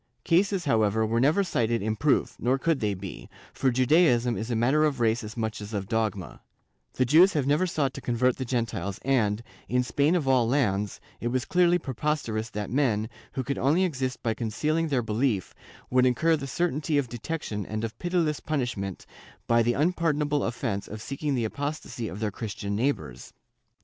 Cases, however, were never cited in proof, nor could they be, for Judaism is a matter of race as much as of dogma; the Jews have never sought to convert the Gentiles and, in Spain of all lands, it was clearly preposterous that men, who could only exist by concealing their belief, would incur the certainty of detection and of pitiless punish ment, by the unpardonable offence of seeking the apostasy of their Christian neighbors.